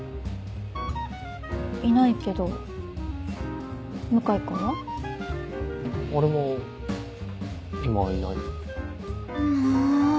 いないけど向井君は？俺も今いないもう！